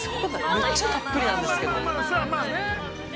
めっちゃたっぷりなんですけど。